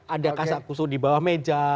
ada kas akusus di bawah meja